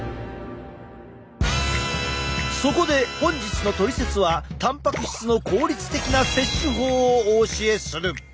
そこで本日のトリセツはたんぱく質の効率的な摂取法をお教えする！